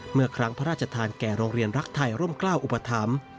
เมื่อครั้งพระราชทานแก่โรงเรียนรักไทยร่มกล้าวอุปถัมภ์